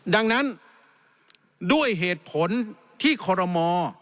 ดังนั้นด้วยเหตุผลที่คอรมอ